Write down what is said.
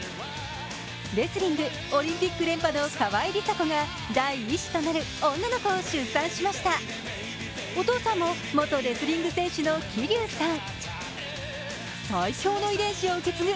レスリング、オリンピック連覇の川井梨紗子が第１子となる女の子を出産しましたお父さんも元レスリング選手の希龍さん。